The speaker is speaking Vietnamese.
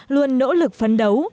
luôn nỗ lực phấn đấu